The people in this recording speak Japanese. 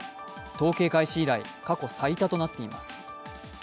統計開始以来過去最多となっています。